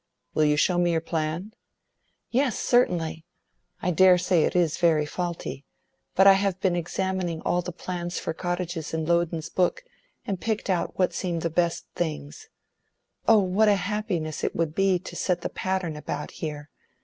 "Will you show me your plan?" "Yes, certainly. I dare say it is very faulty. But I have been examining all the plans for cottages in Loudon's book, and picked out what seem the best things. Oh what a happiness it would be to set the pattern about here!